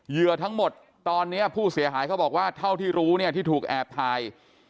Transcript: เหยื่อทั้งหมดตอนนี้ผู้เสียหายเขาบอกว่าเท่าที่รู้เนี่ยที่ถูกแอบถ่าย